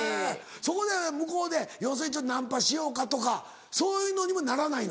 そこで向こうで要するにちょっとナンパしようかとかそういうのにもならないの？